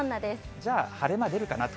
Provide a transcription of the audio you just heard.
じゃあ、晴れ間出るかなと。